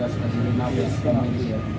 masa yang tertutup